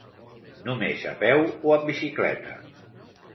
Només a peu o amb bicicleta.